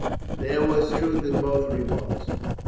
There was truth in both remarks.